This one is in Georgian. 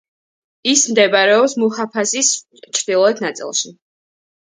ის მდებარეობს მუჰაფაზის ჩრდილოეთ ნაწილში.